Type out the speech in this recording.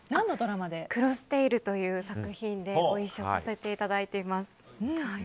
「クロステイル」という作品でご一緒させていただいています。